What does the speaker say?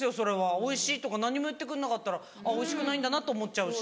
おいしいとか何にも言ってくんなかったらおいしくないんだなと思っちゃうし。